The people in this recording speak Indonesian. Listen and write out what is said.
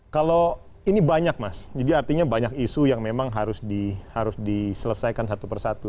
kalau ini banyak mas jadi artinya banyak isu yang memang harus diselesaikan satu persatu